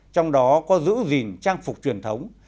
trong đó có giữ gìn trang phục truyền thống